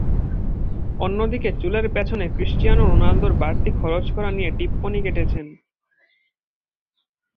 অন্যদিকে চুলের পেছনে ক্রিস্টিয়ানো রোনালদোর বাড়তি খরচ করা নিয়ে টিপ্পনি কেটেছেন।